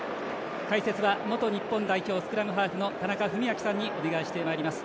解説は元日本代表スクラムハーフの田中史朗さんにお願いしてまいります。